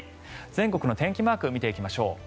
全国の天気マークを見ていきましょう。